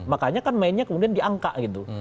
makanya kan mainnya kemudian diangka gitu